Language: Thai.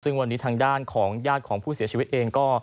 ซึ่งวันนี้ทางด้านของญาติของผู้เสียชีวิตเองก็